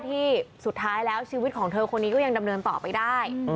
ที่สุดท้ายแล้วชีวิตของเธอคนนี้ก็ยังดำเนินต่อไปได้